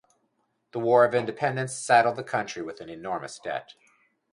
The War of Independence saddled the country with an enormous debt.